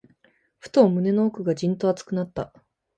ふと、胸の奥がじんと熱くなった。